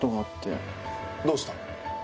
どうした？